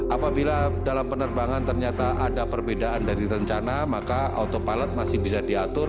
apabila dalam penerbangan ternyata ada perbedaan dari rencana maka autopilot masih bisa diatur